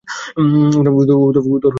উদর বেশ গোলাকার।